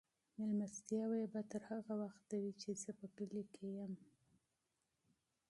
مېلمستیاوې به تر هغه وخته وي چې زه په کلي کې یم.